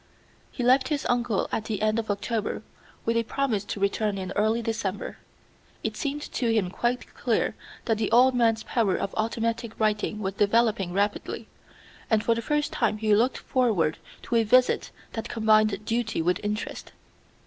He left his uncle at the end of October, with a promise to return early in December. It seemed to him quite clear that the old man's power of automatic writing was developing rapidly, and for the first time he looked forward to a visit that combined duty with interest.